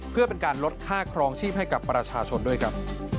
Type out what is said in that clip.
เพื่อเป็นการลดค่าครองชีพให้กับประชาชนด้วยครับ